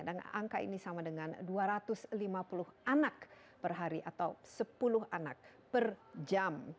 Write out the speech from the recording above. dan angka ini sama dengan dua ratus lima puluh anak per hari atau sepuluh anak per jam